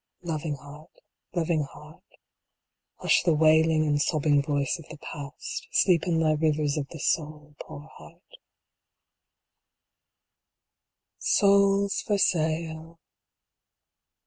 Loving Heart, loving Heart, Hush the wailing and sobbing voice of the past; Sleep in thy rivers of the soul, Poor Heart V. Souls for sale